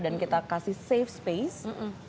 dan kita kasih safe space